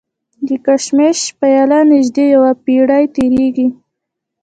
د کشمش پیله نژدې یوه پېړۍ تېرېږي.